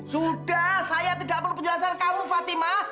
sudah saya tidak perlu penjelasan kamu fatima